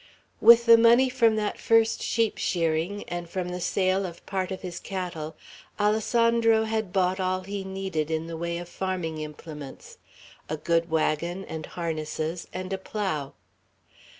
With the money from that first sheep shearing, and from the sale of part of his cattle, Alessandro had bought all he needed in the way of farming implements, a good wagon and harnesses, and a plough.